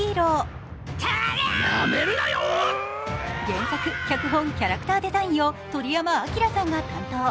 原作・脚本・キャラクターデザインを鳥山明さんが担当。